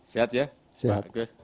sehat ya pak argyus